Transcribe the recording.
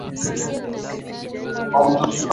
na Burundi asilimia sabini na nane